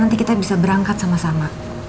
nanti kita bisa berangkat sama sama